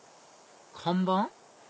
看板？